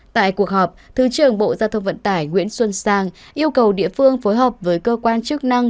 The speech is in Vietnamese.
tại cuộc họp thứ trưởng bộ giao thông vận tải nguyễn xuân sang yêu cầu địa phương phối hợp với cơ quan chức năng